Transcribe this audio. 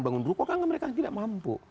bangun bangun kok kan mereka tidak mampu